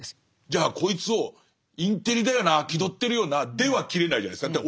じゃあこいつをインテリだよな気取ってるよなでは切れないじゃないですか。